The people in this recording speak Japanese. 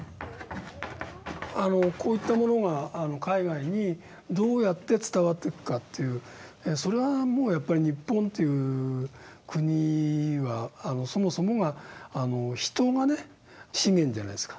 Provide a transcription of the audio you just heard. こういったものが海外にどうやって伝わってくかというそれはもうやっぱり日本という国はそもそもが人が資源じゃないですか。